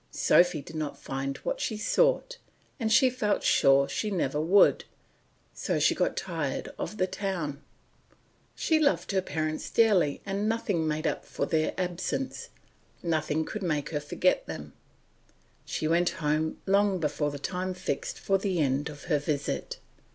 Sophy did not find what she sought, and she felt sure she never would, so she got tired of the town. She loved her parents dearly and nothing made up for their absence, nothing could make her forget them; she went home long before the time fixed for the end of her visit.